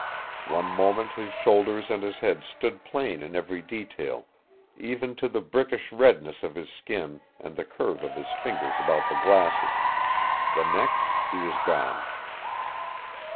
One moment his shoulders and his head stood plain in every detail, even to the brickish redness of his skin and the curve of his fingers about the glasses; the next he was gone.